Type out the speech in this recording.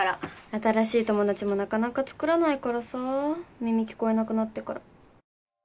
新しい友達もなかなかつくらないからさ耳聞こえなくなってから。